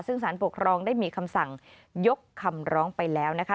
ซึ่งสารปกครองได้มีคำสั่งยกคำร้องไปแล้วนะคะ